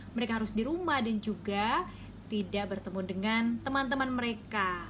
mereka harus di rumah dan juga tidak bertemu dengan teman teman mereka